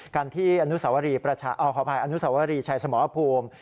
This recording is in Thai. กันที่อนุสาวรีประชาขออภัยอนุสาวรีชัยสมอบภูมิ